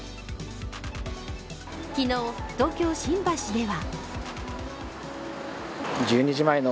昨日、東京・新橋では。